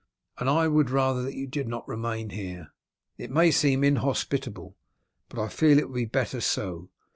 "And I would rather that you did not remain here. It may seem inhospitable, but I feel it would be better so.